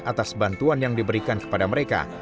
atas bantuan yang diberikan kepada mereka